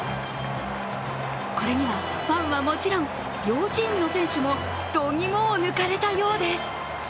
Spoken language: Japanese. これにはファンはもちろん、両チームの選手も度肝を抜かれたようです。